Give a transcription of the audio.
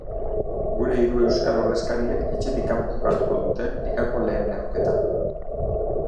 Gure hiru euskal ordezkariek etxetik kanpo jokatuko dute ligako lehen neurketa.